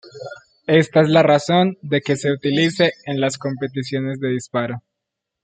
Esta es la razón de que se utilice en las competiciones de disparo.